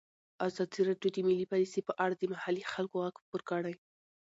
ازادي راډیو د مالي پالیسي په اړه د محلي خلکو غږ خپور کړی.